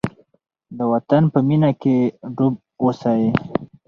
د وطن په مینه کې ډوب اوسئ.